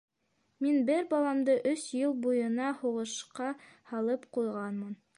Мин бер баламды өс йыл буйына һуғышҡа һалып ҡуйғанмын.